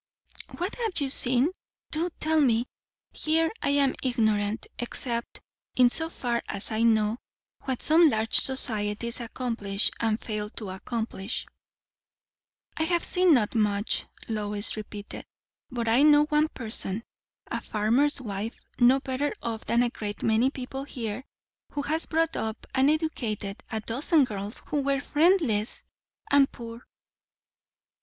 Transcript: "What have you seen? Do tell me. Here I am ignorant; except in so far as I know what some large societies accomplish, and fail to accomplish." "I have not seen much," Lois repeated. "But I know one person, a farmer's wife, no better off than a great many people here, who has brought up and educated a dozen girls who were friendless and poor."